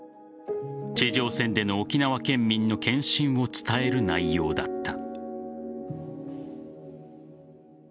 地上戦での沖縄県民の献身を伝える内容だった。